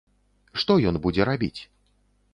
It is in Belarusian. Што ён будзе рабіць?